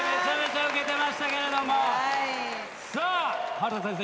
春田先生